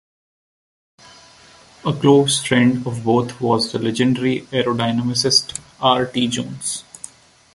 A close friend of both was the legendary aerodynamicist, R. T. Jones.